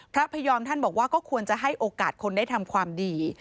พระพยอมท่านบอกว่าก็ควรจะให้โอกาสคนได้ทำความดี